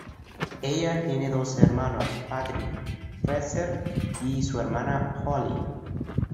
Ella tiene dos hermanos, Patrick, Fraser y su hermana Holly.